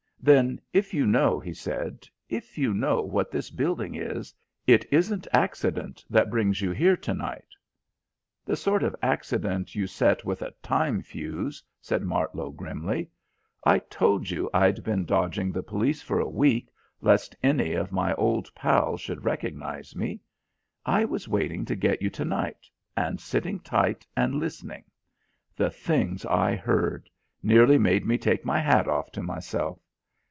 "Then, if you know," he said, "if you know what this building is, it isn't accident that brings you here to night." "The sort of accident you set with a time fuse," said Martlow grimly. "I told you I'd been dodging the police for a week lest any of my old pals should recognise me. I was waiting to get you to night, and sitting tight and listening. The things I heard! Nearly made me take my hat off to myself.